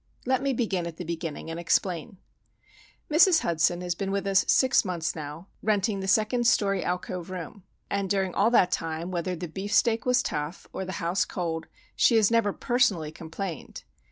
Let me begin at the beginning and explain. Mrs. Hudson has been with us six months now, renting the second story alcove room; and during all that time, whether the beefsteak was tough or the house cold, she has never personally complained.